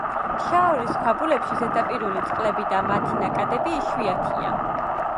შაორის ქვაბულში ზედაპირული წყლები და მათი ნაკადები იშვიათია.